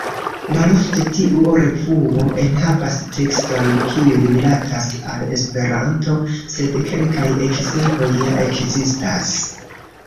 Malofte tiu revuo enhavas tekstojn kiuj rilatas al Esperanto, sed kelkaj ekzemploj ja ekzistas.